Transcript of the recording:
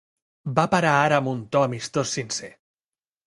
Va parar ara amb un to amistós sincer.